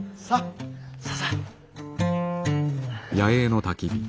さあさあ。